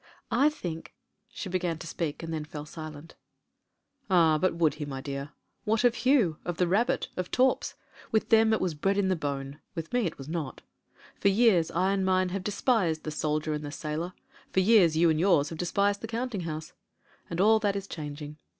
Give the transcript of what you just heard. "I think " She began to speak, and then fell silent "Ah! but would he, my dear? What of Hugh, of the Rabbit, of Torps? With them it was bred in the bone — with me it was not For years I and mine have despised the soldier and the sailor : for years you and yours have despised the coimting house. And all that is changing.